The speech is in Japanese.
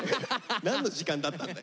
何の時間だったんだよ！